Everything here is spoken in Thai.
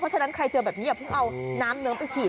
ฉะนั้นใครเจอแบบนี้อย่าเพิ่งเอาน้ำเนิ้มไปฉีด